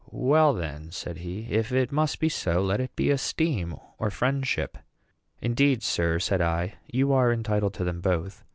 "Well, then," said he, "if it must be so, let it be esteem or friendship." "Indeed, sir," said I, "you are entitled to them both.